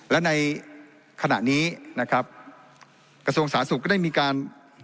และในขณะนี้นะครับกระทรวงสาธารณสุขก็ได้มีการ